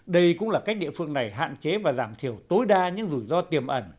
đây cũng là cách địa phương này hạn chế và giảm thiểu tối đa những rủi ro tiềm ẩn